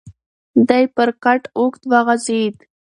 دی پر کټ اوږد وغځېد.